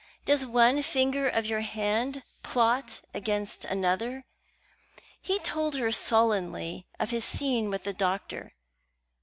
Does one finger of your hand plot against another? He told her sullenly of his scene with the doctor.